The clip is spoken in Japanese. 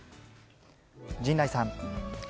陣内さん。